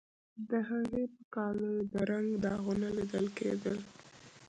د هغې په کالیو د رنګ داغونه لیدل کیدل